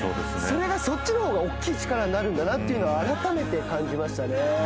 それがそっちのほうが大っきい力になるんだなっていうのは改めて感じましたね。